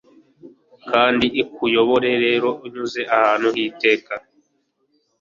Kandi ikuyobore rero unyuze ahantu h'iteka